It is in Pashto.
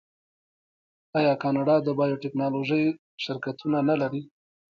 آیا کاناډا د بایو ټیکنالوژۍ شرکتونه نلري؟